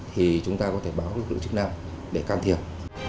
thì chúng ta có thể báo lực lượng chức năng để can thiệp